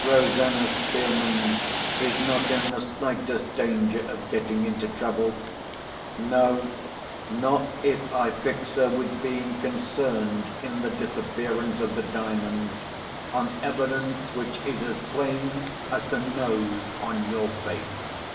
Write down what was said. Rosanna Spearman is not in the slightest danger of getting into trouble—no, not if I fix her with being concerned in the disappearance of the Diamond, on evidence which is as plain as the nose on your face!"